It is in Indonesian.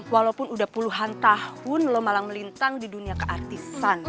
walaupun udah puluhan tahun lo malang melintang di dunia keartisan